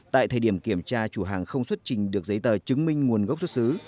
tại thời điểm kiểm tra chủ hàng không xuất trình được giấy tờ chứng minh nguồn gốc xuất xứ